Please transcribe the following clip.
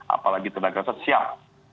apalagi tenaga reset siap